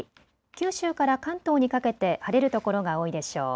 九州から関東にかけて晴れる所が多いでしょう。